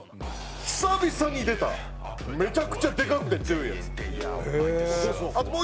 久々に出ためちゃくちゃでかくて強いヤツっていう。